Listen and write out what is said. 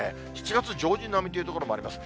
７月上旬並みという所もあります。